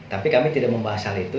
tapi kami tidak membahas hal itu